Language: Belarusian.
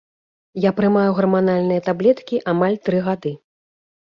Я прымаю гарманальныя таблеткі амаль тры гады.